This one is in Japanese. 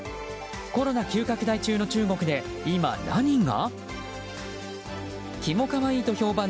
コロナ急拡大中の中国で今、何が？